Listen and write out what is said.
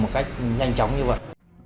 một cách nhanh chóng như vậy